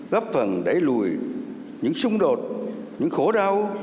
góp phần đẩy lùi những xung đột những khổ đau